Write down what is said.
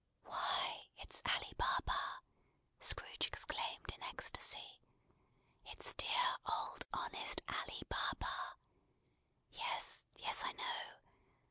"Why, it's Ali Baba!" Scrooge exclaimed in ecstasy. "It's dear old honest Ali Baba! Yes, yes, I know!